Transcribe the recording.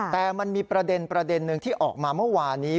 แต่มันมีประเด็นหนึ่งที่ออกมาเมื่อวานี้